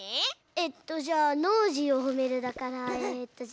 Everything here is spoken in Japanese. えっとじゃあ「ノージーをほめる」だからえっとじゃあ。